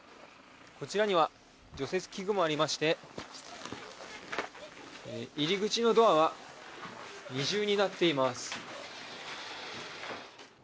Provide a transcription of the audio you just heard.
こちらには除雪器具もありまして入り口のドアは二重になっています。